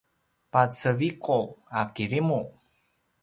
peceviqu a kirimu